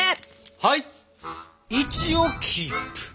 はい！